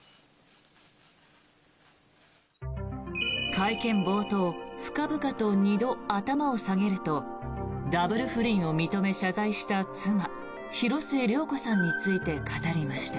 会見冒頭深々と２度頭を下げるとダブル不倫を認め、謝罪した妻・広末涼子さんについて語りました。